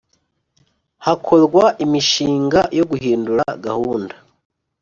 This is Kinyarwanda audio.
hakorwa imishinga yo guhindura gahunda